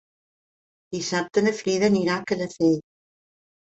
Dissabte na Frida anirà a Calafell.